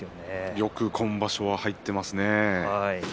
よく今場所は入っていますね。